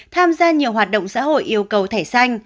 tham gia nhiều hoạt động xã hội yêu cầu thẻ xanh